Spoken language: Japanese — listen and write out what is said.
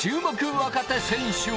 若手選手は。